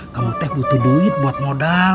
kamu teh butuh duit buat modal